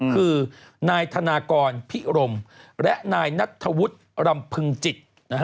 คือนายธนากรพิรมและนายนัทธวุฒิรำพึงจิต